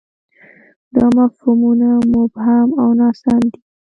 دا مفهومونه مبهم او ناسم دي.